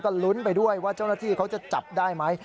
ก็ลุ้นไปด้วยว่าเจ้าหน้าที่เขาจะจับได้ไหม